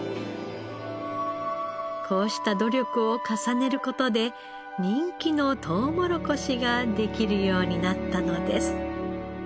こうした努力を重ねる事で人気のとうもろこしができるようになったのです。